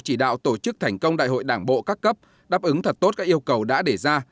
chỉ đạo tổ chức thành công đại hội đảng bộ các cấp đáp ứng thật tốt các yêu cầu đã đề ra